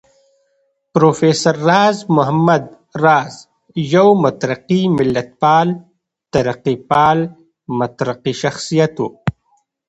پروفېسر راز محمد راز يو مترقي ملتپال، ترقيپال مترقي شخصيت و